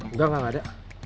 nggak gak ada